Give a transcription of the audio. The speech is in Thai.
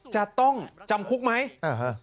จะต้องจำคุกหรือยัง